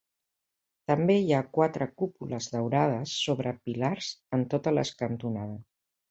També hi ha quatre cúpules daurades sobre pilars en totes les cantonades.